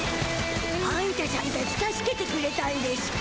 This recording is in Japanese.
あんたしゃんたち助けてくれたんでしゅか？